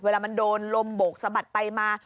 เวลามันโดนลมโบกสะบัดไปมา